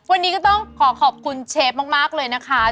วันนี้ก็ต้องขอขอบคุณเชฟมากเลยนะคะ